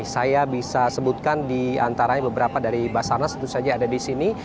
saya bisa sebutkan di antaranya beberapa dari basarnas satu saja ada di sini